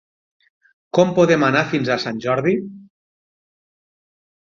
Com podem anar fins a Sant Jordi?